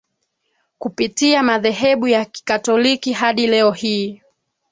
kupitia madhehebu ya Kikatoliki hadi leo hii